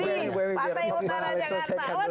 di pantai utara jakarta